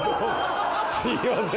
すみません